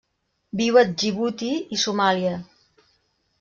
Viu a Djibouti i Somàlia.